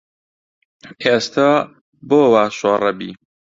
ئێستە بۆ وا شۆڕەبی